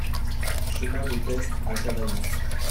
Chemin de Teste à Cavaillon